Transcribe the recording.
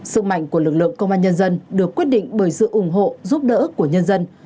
sức mạnh của lực lượng công an nhân dân được quyết định bởi sự ủng hộ giúp đỡ của nhân dân